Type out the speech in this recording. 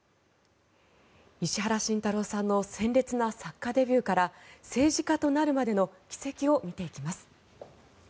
石原慎太郎さんの鮮烈な作家デビューから政治家となるまでの軌跡を見ていきます。